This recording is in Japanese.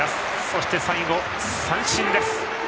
そして最後、三振です。